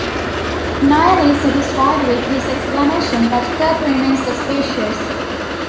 Noel is satisfied with his explanation, but Kirk remains suspicious.